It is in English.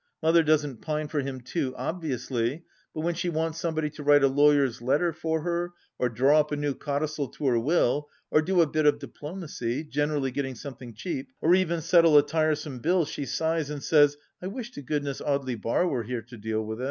Mother doesn't pine for him too obviously, but when she wants somebody to write a lawyer's letter for her, or draw up a new codicil to her will, or do a bit of diplomacy — generally getting something cheap — or even settle a tiresome bill, she sighs and says, " I wish to goodness Audely Bar was here to deal with it